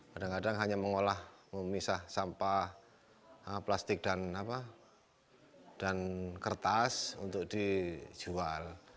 kadang kadang hanya mengolah memisah sampah plastik dan kertas untuk dijual